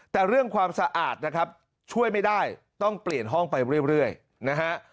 แต่เรื่องความสะอาดนะครับช่วยไม่ได้ต้องเปลี่ยนห้องไปเรื่อยนะฮะ